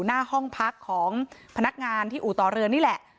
หน้าห้องพักของพนักงานที่อู่ต่อเรือนี่แหละ